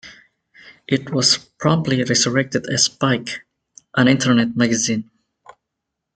It was promptly resurrected as Spiked, an Internet magazine.